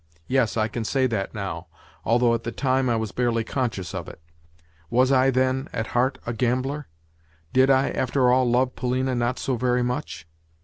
Yes, I can say that now; although, at the time, I was barely conscious of it. Was I, then, at heart a gambler? Did I, after all, love Polina not so very much?